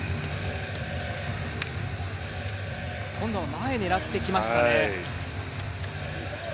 今度は前を狙ってきましたね。